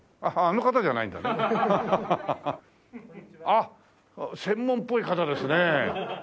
あっ専門っぽい方ですね。